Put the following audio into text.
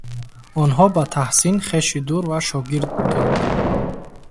Онҳо ба Таҳсин хеши дур ва шогирд буданд.